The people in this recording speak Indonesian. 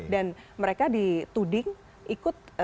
dan mereka dituding ikut